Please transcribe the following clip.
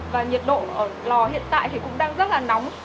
và nhiệt độ ở lò hiện tại thì cũng đang rất là nóng